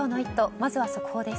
まずは速報です。